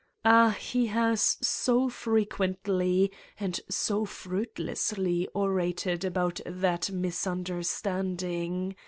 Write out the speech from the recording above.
... Ah, he has so fre quently and so fruitlessly orated about that * misunderstanding'!